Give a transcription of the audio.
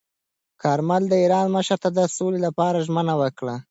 کارمل د ایران مشر ته د سولې لپاره ژمنه وکړه.